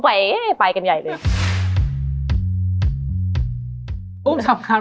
มันทำให้ชีวิตผู้มันไปไม่รอด